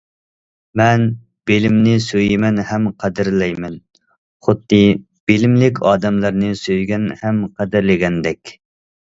مەن بىلىمنى سۆيىمەن ھەم قەدىرلەيمەن، خۇددى بىلىملىك ئادەملەرنى سۆيگەن ھەم قەدىرلىگەندەك.